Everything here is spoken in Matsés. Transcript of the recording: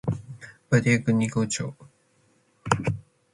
Badiadeque nidnu cho